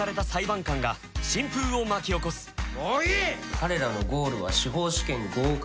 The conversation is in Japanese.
「彼らのゴールは司法試験に合格。